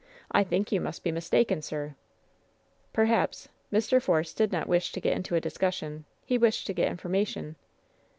I think you must be mistaken, sir." "Perhaps." Mr. Force did not wish to get into a discussion; he wished to get information.